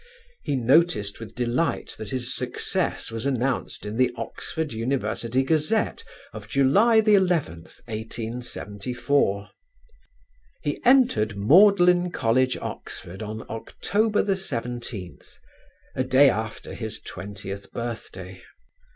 He noticed with delight that his success was announced in the Oxford University Gazette of July 11th, 1874. He entered Magdalen College, Oxford, on October 17th, a day after his twentieth birthday.